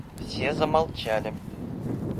Все замолчали.